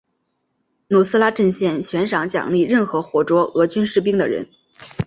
努斯拉阵线悬赏奖励任何活捉俄军士兵的人。